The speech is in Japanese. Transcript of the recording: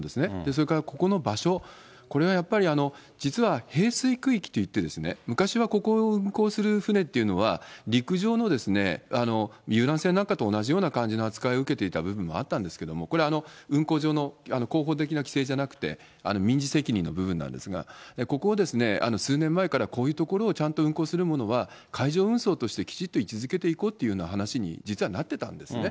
それからここの場所、これはやっぱり、実はへいすい区域っていって、昔はここを運航する船っていうのは、陸上の、遊覧船なんかと同じの扱いを受けていた部分もあるんですけど、これ、運航上の公法的な規制じゃなくて、民事責任の部分なんですが、ここを数年前からこういう所をちゃんと運航するものは、海上運送としてきちっと位置づけていこうって話に実はなってたんですね。